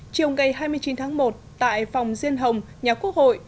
chiều ngày hai mươi chín tháng một tại phòng diên hồng nhà quốc hội